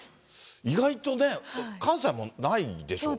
意外とね、関西もないでしょ。